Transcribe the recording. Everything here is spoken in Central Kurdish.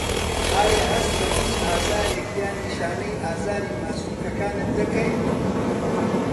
ئایا هەست بە هیچ ئازارێک یان نیشانەی ئازاری ماسوولکەکانت دەکەیت؟